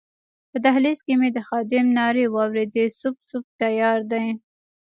په دهلېز کې مې د خادم نارې واورېدې سوپ، سوپ تیار دی.